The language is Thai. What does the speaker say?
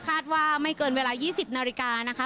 คาดว่าไม่เกินเวลายี่สิบนาฬิกานะคะ